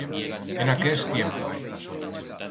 En aquers tiempos.